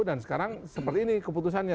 dan sekarang seperti ini keputusannya